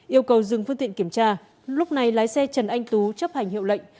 yêu cầu dừng phương tiện kiểm tra lúc này lái xe trần anh tú chấp hành hiệu lệnh